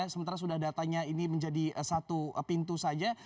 sementara sudah datanya ini menjadi satu pintu saja